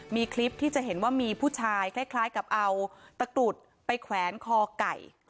มีคลิปที่จะเห็นว่ามีผู้ชายคล้ายกับเอาตะกรุดไปแขวนคอไก่